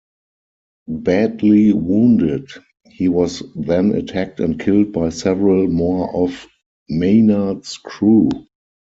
Badly wounded, he was then attacked and killed by several more of Maynard's crew.